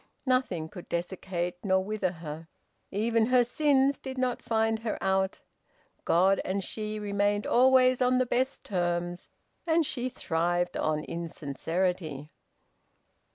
Nothing could desiccate nor wither her. Even her sins did not find her out. God and she remained always on the best terms, and she thrived on insincerity.